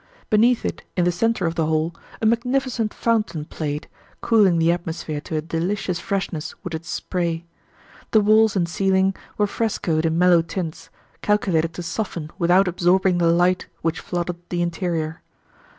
Beneath it, in the centre of the hall, a magnificent fountain played, cooling the atmosphere to a delicious freshness with its spray. The walls and ceiling were frescoed in mellow tints, calculated to soften without absorbing the light which flooded the interior.